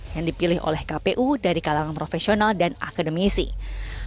yang dipilih oleh kpu dari kalangan profesional dan akademisi